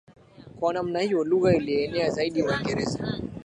Kwa namna hiyo lugha ilienea zaidi Waingereza